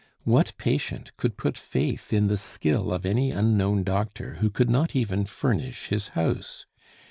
What patient could put faith in the skill of any unknown doctor who could not even furnish his house?